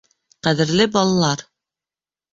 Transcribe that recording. Ҡәҙерле балалар!